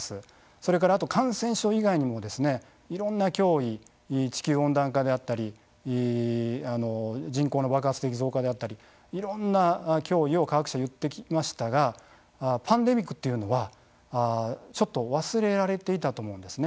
それからあと感染症以外にもいろんな脅威地球温暖化であったり人口の爆発的増加であったりいろんな脅威を科学者は言ってきましたがパンデミックというのはちょっと忘れられていたと思うんですね。